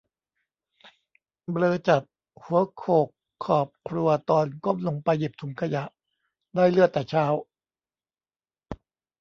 เบลอจัด หัวโขกขอบครัวตอนก้มลมไปหยิบถุงขยะ ได้เลือดแต่เช้า